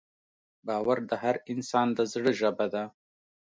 باور د هر انسان د زړه ژبه ده.